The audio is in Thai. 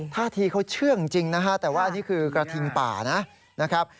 ท่าทีเขาเชื่องจริงนะฮะแต่ว่าอันนี้คือกระทิงป่านะครับ